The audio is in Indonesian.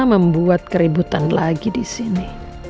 membuat keributan lagi disini